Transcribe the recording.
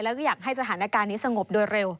แล้วก็อยากให้สถานการณ์นี้สงบโดยเร็ว